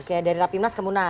oke dari rapimnas ke munas